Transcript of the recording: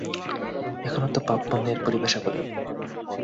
এখনতো পাপ-পুন্যের পরিভাষা বলেন।